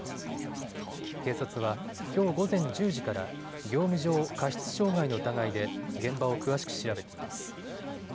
警察はきょう午前１０時から業務上過失傷害の疑いで現場を詳しく調べています。